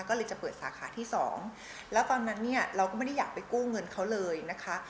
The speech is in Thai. ก็เลยจะเปิดสาขาที่สองแล้วตอนนั้นเนี่ยเราก็ไม่ได้อยากไปกู้เงินเขาเลยนะคะ